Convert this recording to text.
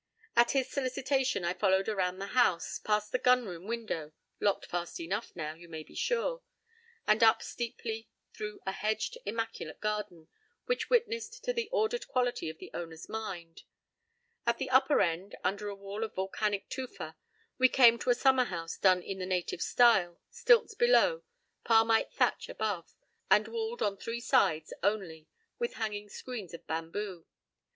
p> At his solicitation I followed around the house, past the gun room window (locked fast enough now, you may be sure), and up steeply through a hedged, immaculate garden, which witnessed to the ordered quality of the owner's mind. At the upper end, under a wall of volcanic tufa, we came to a summerhouse done in the native style,stilts below, palmite thatch above, and walled on three sides only with hanging screens of bamboo.